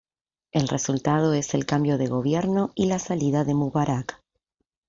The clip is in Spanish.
El resultado es el cambio de gobierno y la salida de Mubarak.